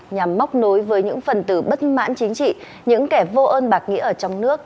nhằm móc nối với những phần từ bất mãn chính trị những kẻ vô ơn bạc nghĩa ở trong nước